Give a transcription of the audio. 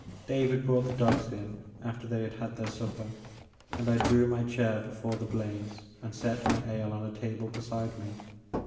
David brought the dogs in after they had had their supper, and I drew my chair before the blaze and set my ale on a table beside me.